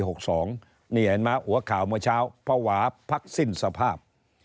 นี่เห็นไหมหัวข่าวเมื่อเช้าภาวะพักสิ้นสภาพ